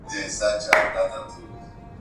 پر پوست باندي عود ، اگر